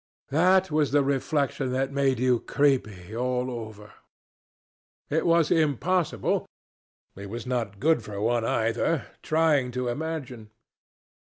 That was the reflection that made you creepy all over. It was impossible it was not good for one either trying to imagine.